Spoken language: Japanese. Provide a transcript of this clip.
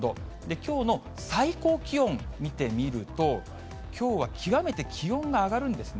きょうの最高気温見てみると、きょうは極めて気温が上がるんですね。